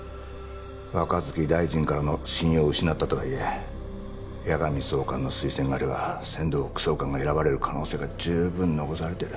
若槻大臣からの信用を失ったとはいえ矢上総監の推薦があれば千堂副総監が選ばれる可能性が十分残されてる。